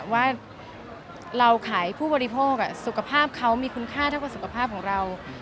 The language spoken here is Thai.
ว่าเราขายผู้บริโภคสุขภาพเขามีคุณค่าเท่ากับสุขภาพของเรา